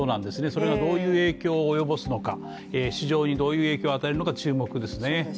それがどういう影響を及ぼすのか、市場にどういう影響を与えるのか注目ですね。